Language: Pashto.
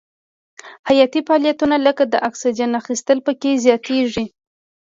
حیاتي فعالیتونه لکه د اکسیجن اخیستل پکې زیاتیږي.